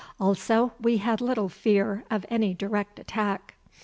Also, we had little fear of any direct attack.